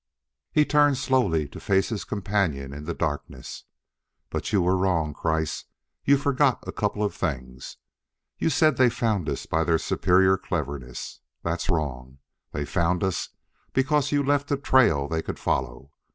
He turned slowly to face his companion in the darkness. "But you were wrong, Kreiss; you forgot a couple of things. You said they found us by their superior cleverness. That's wrong. They found us because you left a trail they could follow.